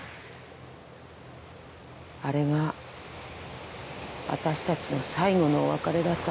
あれが私たちの最後のお別れだったんですよね。